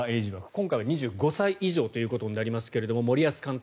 今回は２５歳以上ということになりますが森保監督